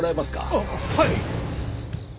あっはい！